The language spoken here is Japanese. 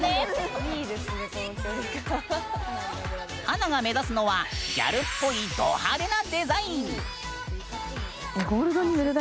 華が目指すのはギャルっぽいド派手なデザイン！